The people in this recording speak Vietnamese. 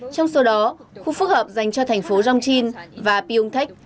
trong số đó khu phức hợp dành cho thành phố dongchin và pyeongtaek